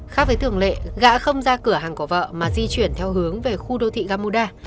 khác với thường lệ gã không ra cửa hàng của vợ mà di chuyển theo hướng về khu đô thị gamuda